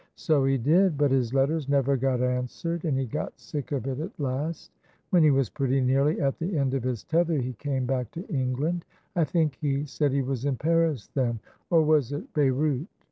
"So he did, but his letters never got answered, and he got sick of it at last. When he was pretty nearly at the end of his tether he came back to England. I think he said he was in Paris then, or was it Beyrout?